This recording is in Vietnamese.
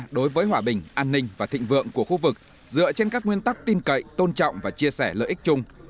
đối với hòa bình an ninh và thịnh vượng của khu vực dựa trên các nguyên tắc tin cậy tôn trọng và chia sẻ lợi ích chung